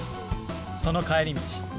その帰り道。